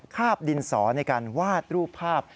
คาบดินสอในการวาดรูปภาพ